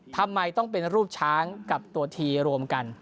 ทำไมต้องเป็นรูปช้างกับตัวทีรวมกัน